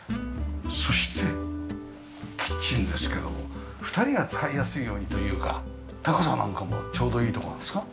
そしてキッチンですけども２人が使いやすいようにというか高さなんかもちょうどいいところなんですか？